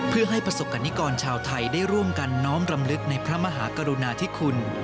เพื่อให้ประสบกรณิกรชาวไทยได้ร่วมกันน้อมรำลึกในพระมหากรุณาธิคุณ